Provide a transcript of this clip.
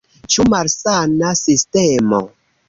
Ĉu malsana sistemo?